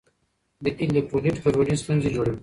د الیکټرولیټ ګډوډي ستونزې جوړوي.